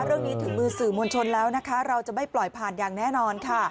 ถึงมือสื่อมวลชนแล้วนะคะเราจะไม่ปล่อยผ่านอย่างแน่นอนค่ะ